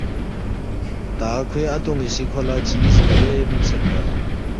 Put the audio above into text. تا کھوے اتون٘ی سی کھو لہ چیز ریرے مِنسیدپا